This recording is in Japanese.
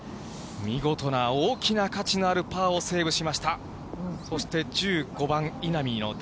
見事な大きな価値のあるパーをセーブしました。